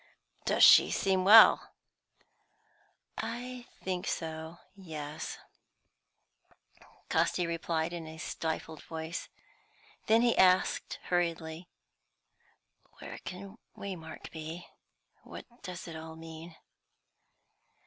"Does she seem well?" "I think so; yes," Casti replied, in a stifled voice. Then he asked hurriedly, "Where can Waymark be? What does it all mean?"